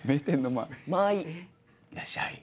いらっしゃい。